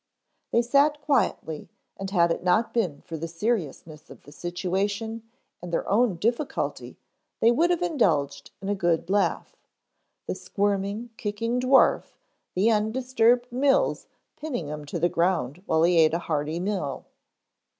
They sat quietly and had it not been for the seriousness of the situation and their own difficulty they would have indulged in a good laugh. The squirming, kicking dwarf, the undisturbed Mills pinning him to the ground while he ate a hearty meal.